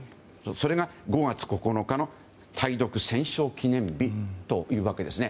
それが５月９日の対独戦勝記念日というわけです。